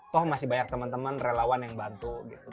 toh masih banyak temen temen relawan yang bantu gitu